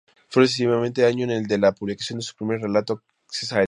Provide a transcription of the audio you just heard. Fue precisamente ese año el de la publicación de su primer relato, "Cesare.